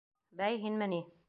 Бәй, һинме ни?